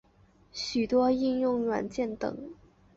许多应用软件等。